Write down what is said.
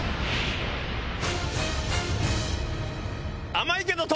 甘いけど。